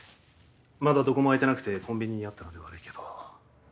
まだどこも開いてなくてコンビニにあったので悪いけど。